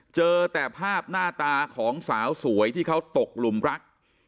เจอแต่ภาพหน้าตาของสาวสวยที่เขาตกหลุมรัก